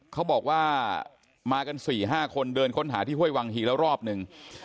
เขาบอกว่ามากัน๔๕คนเดินค้นหาที่ห้วยวังฮีแล้วรอบหนึ่ง